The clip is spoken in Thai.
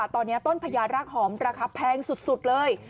ตอนนี้ต้นพญารากหอมราคาแพงสุดเลย